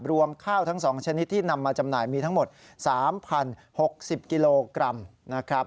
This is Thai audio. รวมข้าวทั้ง๒ชนิดที่นำมาจำหน่ายมีทั้งหมด๓๐๖๐กิโลกรัมนะครับ